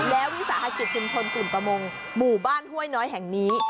แล้ววิสาหกิจชุมชนกลุ่มประมงหมู่บ้านห้วยน้อยแห่งนี้